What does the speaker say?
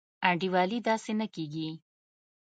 انډيوالي داسي نه کيږي.